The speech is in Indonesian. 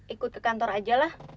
ikut ke kantor aja lah